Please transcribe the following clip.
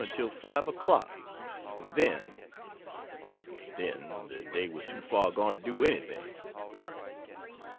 until 5 o'clock, and then then the day was too far gone to do any thing.